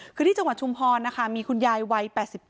คือที่จังหวัดชุมพรนะคะมีคุณยายวัย๘๙